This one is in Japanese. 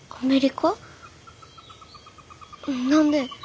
何で？